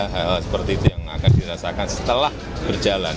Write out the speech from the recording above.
hal hal seperti itu yang akan dirasakan setelah berjalan